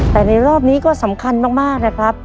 แต่ในรอบนี้ก็สำคัญมากนะครับ